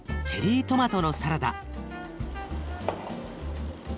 チェリートマトのサラダ。